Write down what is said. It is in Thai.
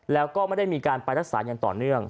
แล้วก็ไม่ได้มีการไปรักษาอย่างต่อเนื่อง